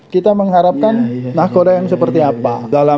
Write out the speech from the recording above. kita mengharapkan nahkoda yang seperti apa